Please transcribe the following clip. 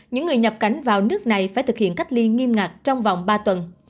những người nhập cảnh vào nước này phải thực hiện cách ly nghiêm ngặt trong vòng ba tuần